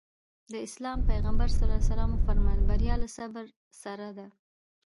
د اسلام پيغمبر ص وفرمايل بريا له صبر سره ده.